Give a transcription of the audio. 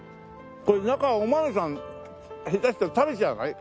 これ中お豆さん下手したら食べちゃわない？